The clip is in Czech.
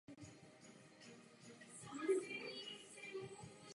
Je nejstarším dnes jmenovitě známým literárním autorem lidské historie.